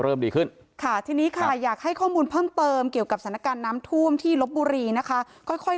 ดีขึ้นค่ะทีนี้ค่ะอยากให้ข้อมูลเพิ่มเติมเกี่ยวกับสถานการณ์น้ำท่วมที่ลบบุรีนะคะค่อยค่อย